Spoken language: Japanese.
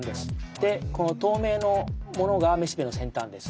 でこの透明のものがめしべの先端です。